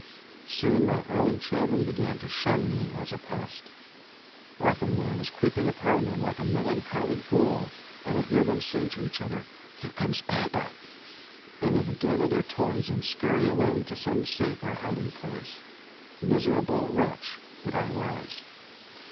Soon my own children began to shun me as a pest. Often, when I was creeping upon them like a melancholy ghoul, I would hear them say to each other: "Here comes papa," and they would gather their toys and scurry away to some safer hiding place. Miserable wretch that I was!